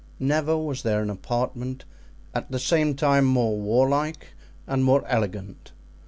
Never was there an apartment at the same time more warlike and more elegant.